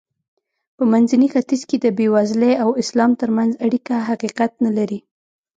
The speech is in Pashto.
په منځني ختیځ کې د بېوزلۍ او اسلام ترمنځ اړیکه حقیقت نه لري.